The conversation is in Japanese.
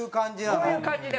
こういう感じで。